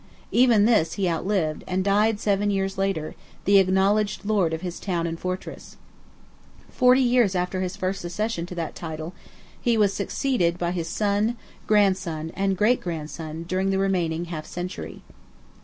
Even this he outlived, and died seven years later, the acknowledged lord of his town and fortress, forty years after his first accession to that title. He was succeeded by his son, grandson, and great grandson during the remaining half century.